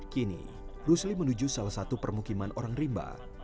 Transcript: kini rusli menuju salah satu permukiman orang rimba